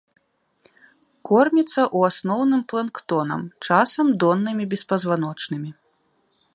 Корміцца ў асноўным планктонам, часам доннымі беспазваночнымі.